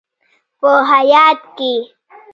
په هیات کې: